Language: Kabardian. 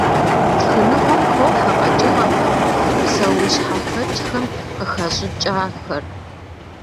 Шхыныгъуэм хохьэ къэкӀыгъэхэм, псэущхьэхэкӀхэм къыхэщӀыкӀахэр.